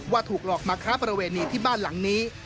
ถูกหลอกมาค้าประเวณีที่บ้านหลังนี้